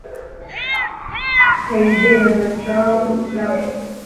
هەیدێ لەبەر چاوم لاچن!